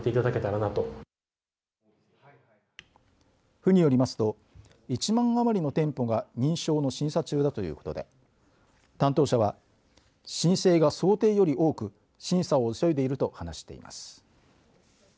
府によりますと１万余りの店舗が認証の審査中だということで担当者は申請が想定より多く審査を急いでいると話しています。